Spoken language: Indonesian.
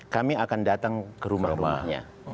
kami akan datang ke rumah rumahnya